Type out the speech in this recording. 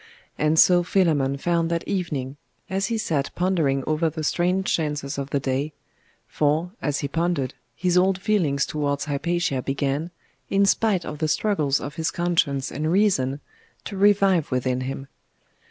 And so Philammon found that evening, as he sat pondering over the strange chances of the day; for, as he pondered, his old feelings towards Hypatia began, in spite of the struggles of his conscience and reason, to revive within him.